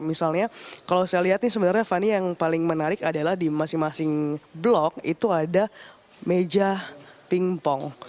misalnya kalau saya lihat nih sebenarnya fani yang paling menarik adalah di masing masing blok itu ada meja pingpong